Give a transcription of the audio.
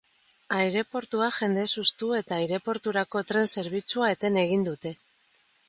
Aireportua jendez hustu eta aireporturako tren zerbitzua eten egin dute.